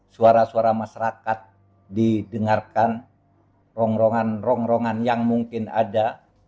suara suara masyarakat didengarkan rongrongan rongrongan yang mungkin ada